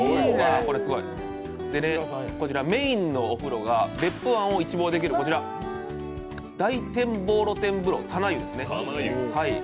メインのお風呂が別府湾を一望できるこちら、大展望露天風呂、棚湯ですね。